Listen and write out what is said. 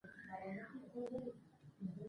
کور ژر ودان کړه.